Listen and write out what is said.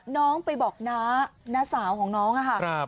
น้องไปบอกน้าน้าสาวของน้องค่ะ